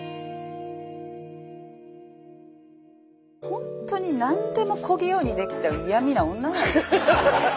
ほんとに何でも小器用にできちゃう嫌みな女なんです。